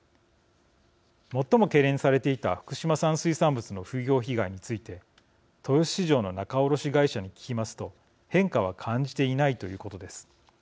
最も懸念されていた福島産水産物の風評被害について豊洲市場の仲卸会社に聞きますと変化は感じていないということです。